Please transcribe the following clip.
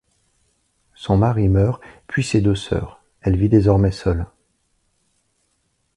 Son mari meurt, puis ses deux sœurs, elle vit désormais seule.